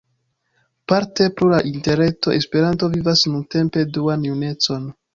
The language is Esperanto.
Parte pro la Interreto, Esperanto vivas nuntempe duan junecon.